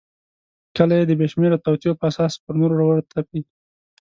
کله یې د بېشمیره توطیو په اساس پر نورو ورتپي.